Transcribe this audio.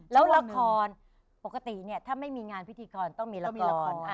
แล้วละครปกติเนี่ยถ้าไม่มีงานพิธีกรต้องมีละคร